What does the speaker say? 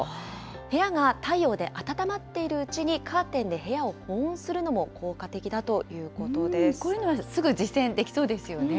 部屋が太陽で暖まっているうちに、カーテンで部屋を保温するのも効こういうのはすぐ実践できそうですよね。